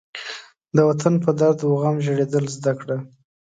د وطن په درد و غم ژړېدل زده کړه.